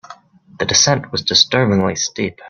The descent was disturbingly steep.